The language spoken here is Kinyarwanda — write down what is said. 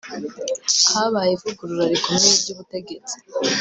habaye ivugurura rikomeye ry'ubutegetsi